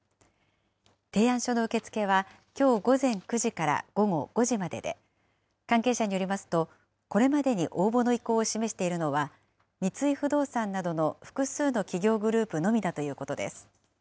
提案書の受け付けはきょう午前９時から午後５時までで、関係者によりますと、これまでに応募の意向を示しているのは、三井不動産などの複数の企業グループのみだということです。